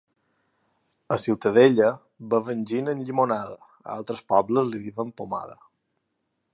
A Ciutadella beuen gin amb llimonada a altres pobles li diuen pomada